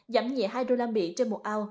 giảm nhẹ hai usd trên một ao